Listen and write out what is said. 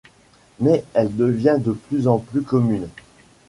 Mais elle devient de plus en plus commune.